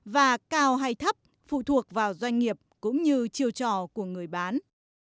và cao hay thấp phụ thuộc vào doanh nghiệp cũng như chiều trò của người bán